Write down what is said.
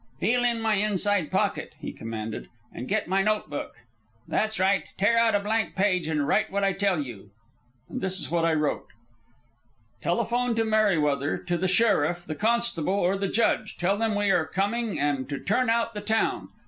"Feel in my inside pocket," he commanded, "and get my notebook. That's right. Tear out a blank page and write what I tell you." And this is what I wrote: Telephone to Merryweather, to the sheriff, the constable, or the judge. Tell them we are coming and to turn out the town.